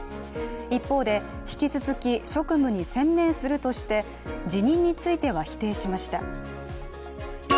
一方で、引き続き職務に専念するとして辞任については否定しました。